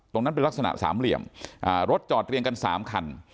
ตรงนั้นเป็นลักษณะสามเหลี่ยมรถจอดเรียงกัน๓คัน